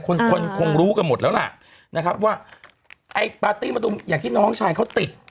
คนคนคงรู้กันหมดแล้วล่ะนะครับว่าไอ้ปาร์ตี้ประตูอย่างที่น้องชายเขาติด